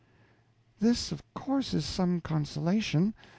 This, of course, is some consolation.